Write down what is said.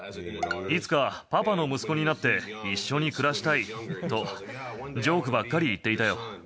いつかパパの息子になって、一緒に暮らしたいと、ジョークばっかり言っていたよ。